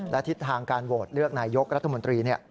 และทิศทางการโหวตเลือกนายกรัฐมนตรี